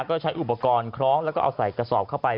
ก็ใช้อุปกรณ์คล้องแล้วก็เอาใส่กระสอบเข้าไป